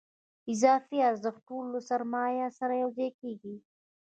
اضافي ارزښت ټول له سرمایې سره یوځای کېږي